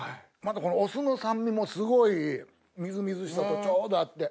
お酢の酸味もすごいみずみずしさとちょうど合って。